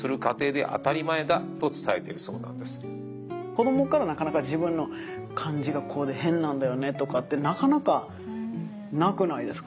子どもからなかなか「自分の感じがこうで変なんだよね」とかってなかなかなくないですか？